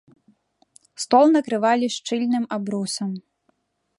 Стол накрывалі шчыльным абрусам.